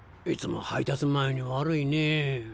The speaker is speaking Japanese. いつも配達前に悪いねぇ。